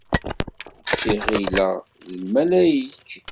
I ɣileɣ d lmalayek.